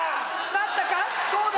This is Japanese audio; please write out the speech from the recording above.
なったか⁉どうだ⁉